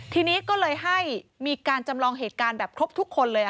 ทีนี้ก็เลยให้มีการจำลองเหตุการณ์แบบครบทุกคนเลย